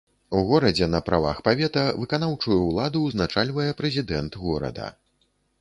У горадзе на правах павета выканаўчую ўладу ўзначальвае прэзідэнт горада.